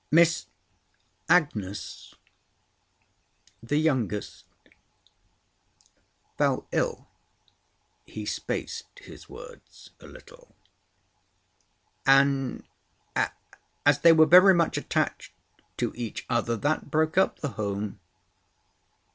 "Miss Agnes—the youngest—fell ill" (he spaced his words a little), "and, as they were very much attached to each other, that broke up the home."